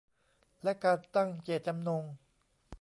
และการตั้งเจตจำนง